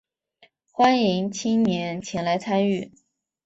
欢迎青年前来参与